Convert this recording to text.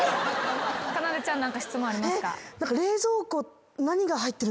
かなでちゃん何か質問ありますか？